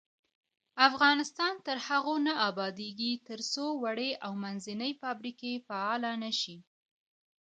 افغانستان تر هغو نه ابادیږي، ترڅو وړې او منځنۍ فابریکې فعالې نشي.